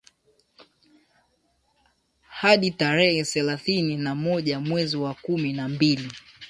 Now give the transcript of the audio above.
hadi tarehe thelathini na moja mwezi wa kumi na mbili